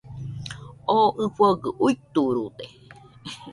Oo ɨfogɨ uiturude